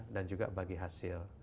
dan juga bagi hasil